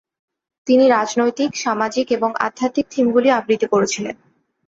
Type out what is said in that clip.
তিনি রাজনৈতিক, সামাজিক এবং আধ্যাত্মিক থিমগুলি আবৃত করেছিলেন।